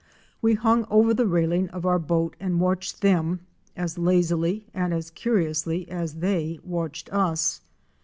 We hung over the railing of our boat and watched them as lazily and as curiously as they watched us.